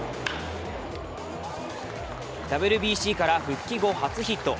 ＷＢＣから復帰後、初ヒット。